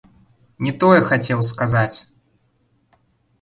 Не тое хацеў сказаць!